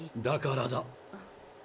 だからだ。